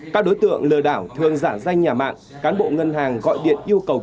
các đối tượng lừa đảo thường giả danh nhà mạng cán bộ ngân hàng gọi điện yêu cầu